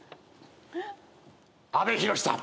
阿部寛さん。